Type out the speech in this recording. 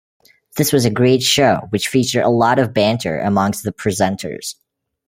This was a great show which featured a lot of banter amongst the presenters.